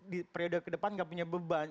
di periode kedepan gak punya beban